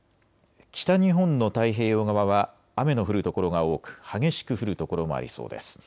北日本の太平洋側は雨の降る所が多く激しく降る所もありそうです。